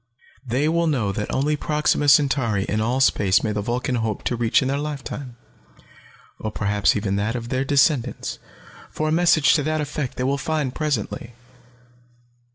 They will know that only Proxima Centauri in all space may the Vulcan hope to reach in their lifetime, or perhaps even in that of their descendants, for a message to that effect they will find presently.